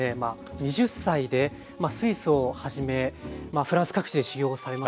２０歳でスイスをはじめまあフランス各地で修業をされました。